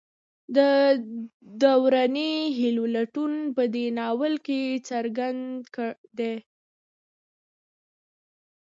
د دروني هیلو لټون په دې ناول کې څرګند دی.